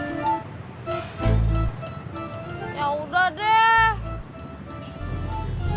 ya udah deh